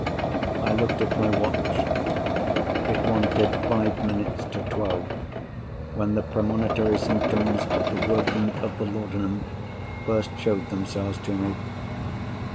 I looked at my watch. It wanted five minutes to twelve, when the premonitory symptoms of the working of the laudanum first showed themselves to me.